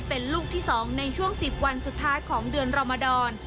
เป็นลูกที่๒ในช่วง๑๐วันสุดท้ายของเดือนรมดร